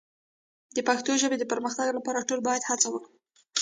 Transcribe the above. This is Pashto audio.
د پښتو ژبې د پرمختګ لپاره ټول باید هڅه وکړو.